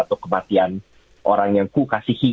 atau kematian orang yang ku kasihi